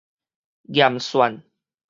驗算